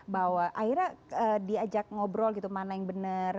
bahwa akhirnya diajak ngobrol gitu mana yang benar